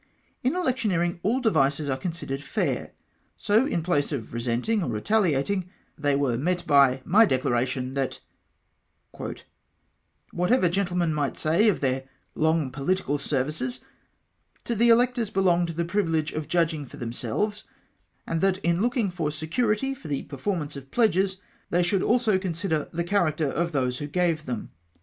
In electioneering all devices are considered fair, so in place of resenting or retaliating, they were met by my declaration, that —" Whatever gentlemen might say of their long political services — to the electors belonged the privilege of judging for themselves, and that in looking for security for the per REPLY TO ilR. SHERIDAN. 217 formance of pledges, tliey should also consider the character of those who gave them.